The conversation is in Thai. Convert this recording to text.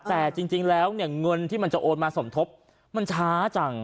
แต่จริงแล้วเนี่ยเงินที่มันจะโอนมาสมทบมันช้าจัง